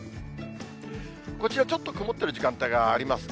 こちらちょっと曇ってる時間帯がありますね。